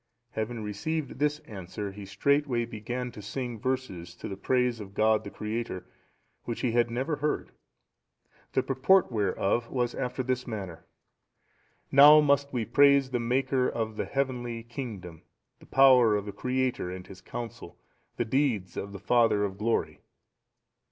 Having received this answer he straightway began to sing verses to the praise of God the Creator, which he had never heard, the purport whereof was after this manner: "Now must we praise the Maker of the heavenly kingdom, the power of the Creator and His counsel, the deeds of the Father of glory.